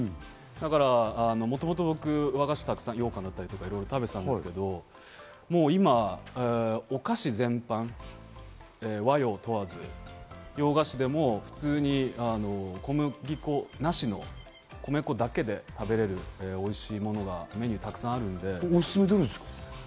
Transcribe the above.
だから、もともと僕は和菓子を、羊羹とかよく食べていたんですけど、もう今、お菓子全般、和洋問わず、洋菓子でも普通に小麦粉なしの米粉だけで食べられるおいしいもののメニューがたくさんあるので。